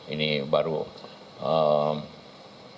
ini baru penggantian kepala